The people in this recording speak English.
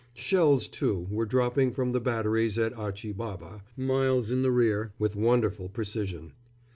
Shells, too, were dropping from the batteries at Achi Baba, miles in the rear, with wonderful precision.